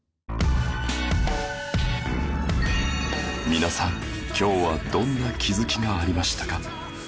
皆さん今日はどんな気づきがありましたか？